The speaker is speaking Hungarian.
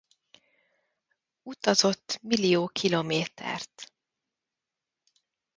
Utazott millió kilométert.